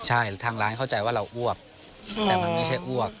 ใช่ทางร้านเข้าใจว่าเราอ้วกแต่มันไม่ใช่อ้วก